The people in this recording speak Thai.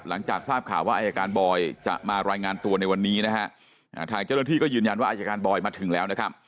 หลังจากทราบข่าวว่าอายการบอยจะมารายงานตัวในวันนี้นะฮะทางเจ้าหน้าที่ก็ยืนยันว่าอายการบอยมาถึงแล้วนะครับ